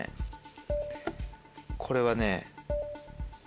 これはね。